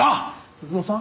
鈴乃さん？